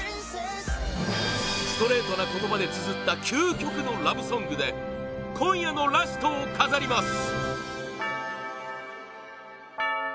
ストレートな言葉でつづった究極のラブソングで今夜のラストを飾ります！